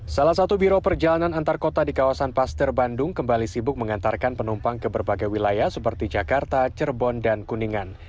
salah satu biro perjalanan antar kota di kawasan paster bandung kembali sibuk mengantarkan penumpang ke berbagai wilayah seperti jakarta cerbon dan kuningan